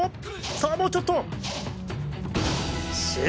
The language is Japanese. さあもうちょっと！